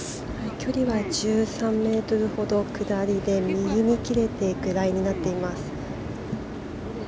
距離は１３ｍほど下りで右に切れていくラインになっています。